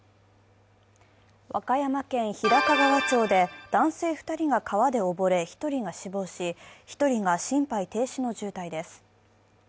和歌山県日高川町で男性２人が川で溺れ、２人が死亡し、１人が心肺停止の重体です。